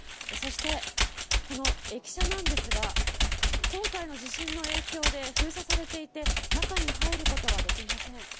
そしてこの駅舎なんですが、今回の地震の影響で封鎖されていて、中に入ることはできません。